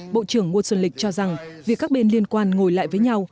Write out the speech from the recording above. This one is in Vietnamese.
bộ trưởng ngô xuân lịch cho rằng việc các bên liên quan ngồi lại với nhau